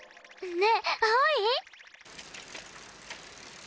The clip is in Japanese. ねえ青い？